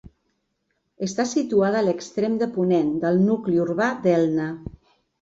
Està situada a l'extrem de ponent del nucli urbà d'Elna.